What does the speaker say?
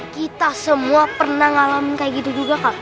kita semua pernah ngalamin kayak gitu juga kak